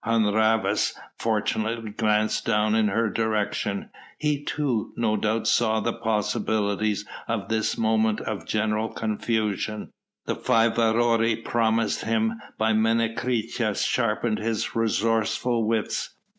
Hun Rhavas fortunately glanced down in her direction. He too no doubt saw the possibilities of this moment of general confusion. The five aurei promised him by Menecreta sharpened his resourceful wits.